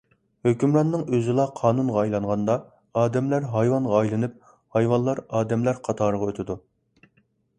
ھۆكۈمراننىڭ ئۆزىلا قانۇنغا ئايلانغاندا، ئادەملەر ھايۋانغا ئايلىنىپ، ھايۋانلار ئادەملەر قاتارىغا ئۆتىدۇ